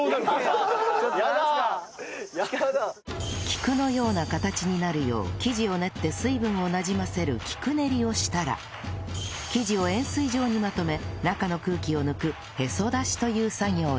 菊のような形になるよう生地を練って水分をなじませる菊練りをしたら生地を円錐状にまとめ中の空気を抜くへそ出しという作業へ